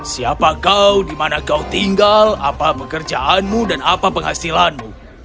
siapa kau di mana kau tinggal apa pekerjaanmu dan apa penghasilanmu